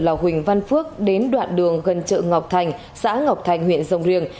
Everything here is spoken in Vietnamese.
là huỳnh văn phước đến đoạn đường gần chợ ngọc thành xã ngọc thành huyện dông riêng